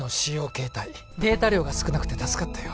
携帯データ量が少なくて助かったよ